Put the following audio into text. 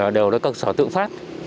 đều là các cơ sở tự phát